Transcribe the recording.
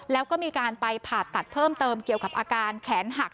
แล้วก็มีการไปผ่าตัดเพิ่มเติมเกี่ยวกับอาการแขนหัก